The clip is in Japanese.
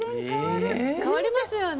変わりますよね？